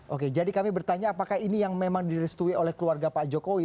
oke jadi kami bertanya apakah ini yang memang direstui oleh keluarga pak jokowi